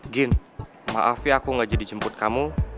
gin maaf ya aku gak jadi jemput kamu